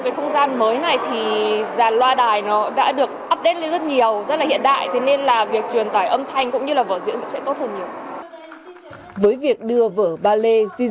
với việc đưa vở ballet jiselle